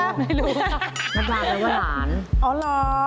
นัตดาก็ว่าหลาน